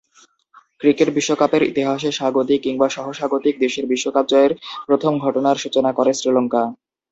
Cricket বিশ্বকাপের ইতিহাসে স্বাগতিক কিংবা সহ-স্বাগতিক দেশের বিশ্বকাপ জয়ের প্রথম ঘটনার সূচনা করে শ্রীলঙ্কা।